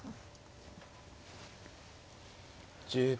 １０秒。